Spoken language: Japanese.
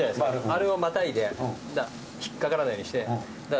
あれをまたいで引っ掛からないようにして下からこう」